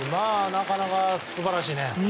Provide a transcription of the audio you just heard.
なかなか素晴らしいね。